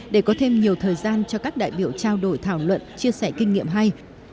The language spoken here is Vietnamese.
để có thêm nhiều thời gian cho các đại biểu trao đổi thảo luận chia sẻ kinh nghiệm hay